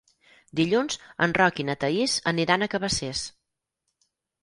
Dilluns en Roc i na Thaís aniran a Cabacés.